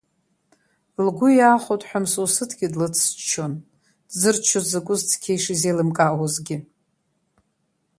Лгәы иахәоит ҳәа Мсоусҭгьы длыцччон, дзырччоз закәыз цқьа ишизеилымкаауазгьы.